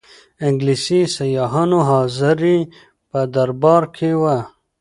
انګلیسي سیاحانو حاضري په دربار کې وه.